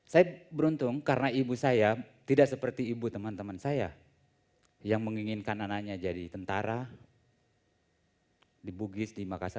saya beruntung karena ibu saya tidak seperti ibu teman teman saya yang menginginkan anaknya jadi tentara di bugis di makassar